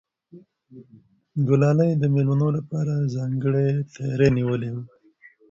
ګلالۍ د مېلمنو لپاره ځانګړی تیاری نیولی و.